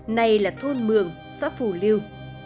này là thôn mường xóa phù lưu